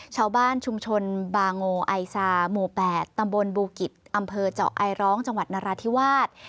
ชาวบ้านชุมชนบาโงไอซาหมู่๘ตำบลบูกิจอำเภอเจาะไอร้องจังหวัดนราธิวาส